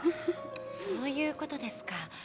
そういう事ですか。